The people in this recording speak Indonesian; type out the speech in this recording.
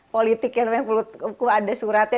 politik yang ada suratnya